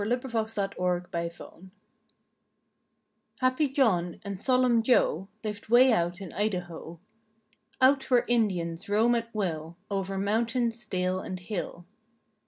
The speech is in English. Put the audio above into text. "HAPPY JOHN" AND "SOLEMN JOE" "Happy John" and "Solemn Joe" Lived way out in Idaho. Out where Indians roam at will Over mountain, dale and hill.